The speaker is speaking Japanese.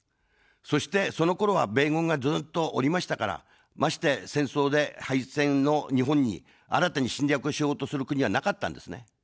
そして、そのころは米軍がずっとおりましたから、まして戦争で敗戦の日本に新たに侵略をしようとする国はなかったんですね。